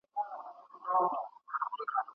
د ماينې مرگ د څنگلي درد دئ.